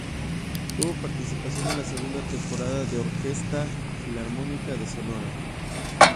Tuvo participación en la segunda temporada de la Orquesta Filarmónica de Sonora.